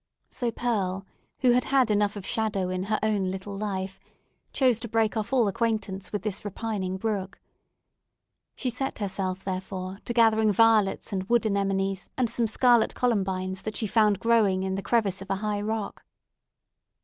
So Pearl, who had enough of shadow in her own little life, chose to break off all acquaintance with this repining brook. She set herself, therefore, to gathering violets and wood anemones, and some scarlet columbines that she found growing in the crevice of a high rock.